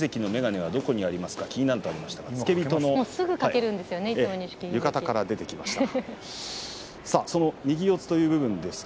錦木関の眼鏡はどこにありますか？ということですが付け人の浴衣から出てきました。